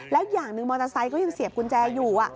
แล้วอย่างหนึ่งมอเตอร์ไซค์ก็ยังเสียบกุญแจอยู่